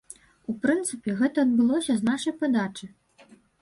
У прынцыпе, гэта адбылося з нашай падачы.